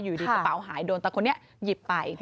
อยู่ดีกระเป๋าหายโดนตะคนนี้หยิบไป